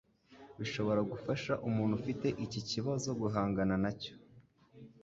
bishobora gufasha umuntu ufite iki kibazo guhangana nacyo